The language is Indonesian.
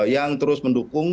yang terus mendukung